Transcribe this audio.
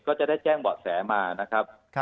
ก็จะได้แจ้งเบาะแสมานะครับ